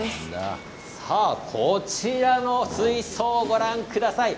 こちらの水槽をご覧ください。